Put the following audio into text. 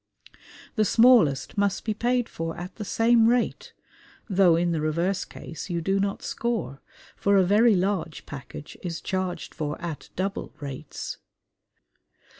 The smallest must be paid for at the same rate, though in the reverse case you do not score; for a very large package is charged for at double rates.